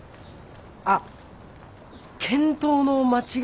あっ検討の間違いだった。